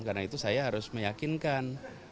karena itu saya harus meyakinkan